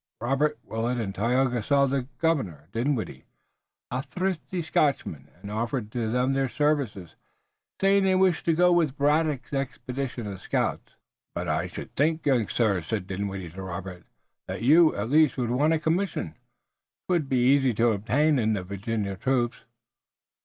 Robert, Willet and Tayoga saw the governor, Dinwiddie, a thrifty Scotchman, and offered to him their services, saying that they wished to go with the Braddock expedition as scouts. "But I should think, young sir," said Dinwiddie to Robert, "that you, at least, would want a commission. 'Twill be easy to obtain it in the Virginia troops."